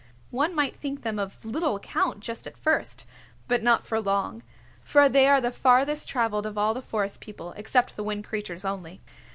One might think them of little account just at first, but not for long. For they are the farthest traveled of all the Forest People, except the Wind Creatures only.